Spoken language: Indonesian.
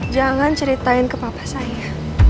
jangan ceritain ke papa saya